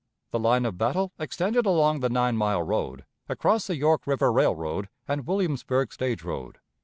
The line of battle extended along the Nine mile road, across the York River Railroad and Williamsburg stage road.